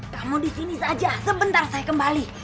kamu di sini saja sebentar saya kembali